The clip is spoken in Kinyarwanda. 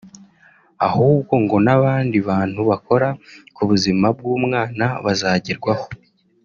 ahubwo ngo n’abandi bantu bakora ku buzima bw’umwana bazagerwaho